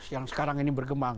yang sekarang ini bergembang